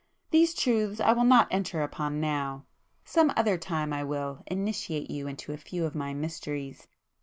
These truths I will not enter upon now. Some other time I will initiate you into a few of my mysteries."